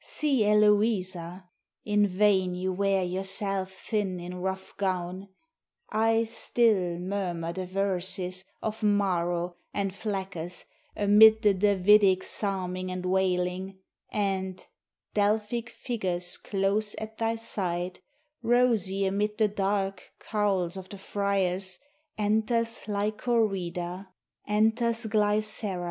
See Heloisa! In vain you wear yourself Thin in rough gown; I Still murmur the verses Of Maro and Flaccus Amid the Davidic Psalming and wailing, And Delphic figures Close at thy side Rosy, amid the dark Cowls of the friars, Enters Licorida, Enters Glicera.